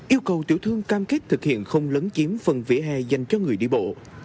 yêu cầu tiểu thương cam kết thực hiện không lấn chiếm phần vỉa hè dành cho người đi bộ